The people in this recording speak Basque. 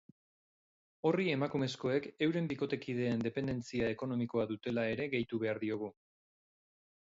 Horri emakumezkoek euren bikotekideen dependentzia ekonomikoa dutela ere gehitu behar diogu.